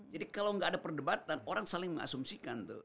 jadi kalau gak ada perdebatan orang saling mengasumsikan tuh